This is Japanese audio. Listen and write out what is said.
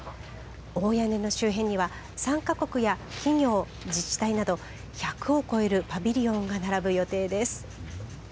大屋根の周辺には、参加国や企業、自治体など１００を超えるパビリオンが並ぶ予定です。